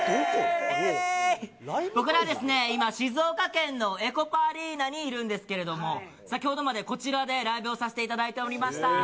僕らは今、静岡県のエコパアリーナにいるんですけれども、先ほどまでこちらでライブをさせていただいておりました。